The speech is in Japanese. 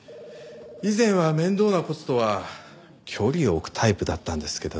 以前は面倒な事とは距離を置くタイプだったんですけどね。